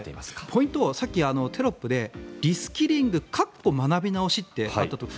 ポイントはさっきテロップでリスキリング括弧学び直しとあったと。